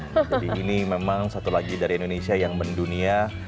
jadi ini memang satu lagi dari indonesia yang mendunia